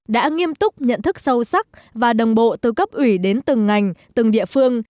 đã nghiêm túc nhận thức sâu sắc và đồng bộ từ cấp ủy đến từng ngành từng địa phương